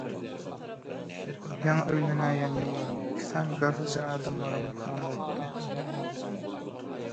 Ýaňy öýlenäýen ýyllarym iki sany garryja adamlara myhman bolupdym.